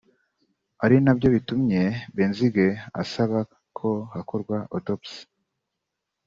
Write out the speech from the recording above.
ari na byo bitumye Benzinge asaba ko hakorwa «autopsie»